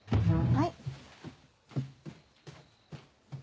はい。